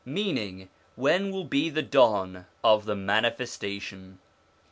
meaning, when will be the dawn of the Manifestation?